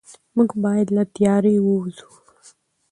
موږ باید له تیارې ووځو.